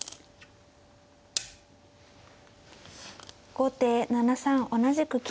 後手７三同じく金。